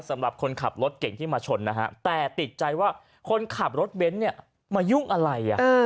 สำหรับคนขับรถเก่งที่มาชนนะฮะแต่ติดใจว่าคนขับรถเบนท์เนี่ยมายุ่งอะไร